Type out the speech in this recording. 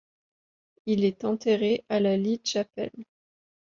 Il est enterré à la Lee Chapel.